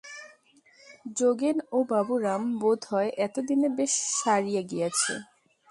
যোগেন ও বাবুরাম বোধ হয় এত দিনে বেশ সারিয়া গিয়াছে।